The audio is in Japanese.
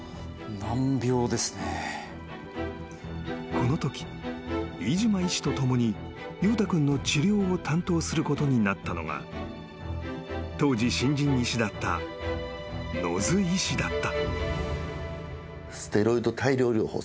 ［このとき飯島医師と共に裕太君の治療を担当することになったのが当時新人医師だった野津医師だった］